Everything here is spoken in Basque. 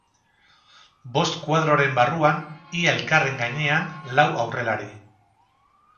Bost kuadroren barruan, ia elkarren gainean, lau aurrelari.